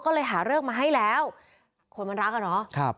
ก็เลยหาเลิกมาให้แล้วคนมันรักอ่ะเนาะ